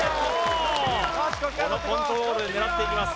このコントロールで狙っていきます